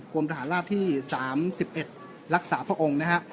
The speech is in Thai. กรมทหารราบที่สามสิบเอ็ดรักษาพระองค์นะฮะ